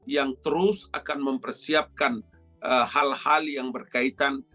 yang terus akan mempersiapkan hal hal yang berkaitan